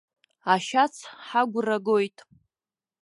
Ашьац ҳагәра агоит.